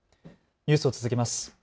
ニュースを続けます。